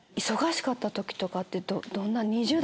忙しかった時とかってどんな？